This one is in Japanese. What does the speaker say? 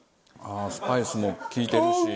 スパイスも利いてるし。